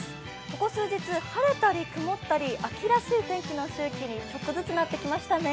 ここ数日、晴れたり曇ったり秋らしい天気の周期にちょっとずつなってきましたね。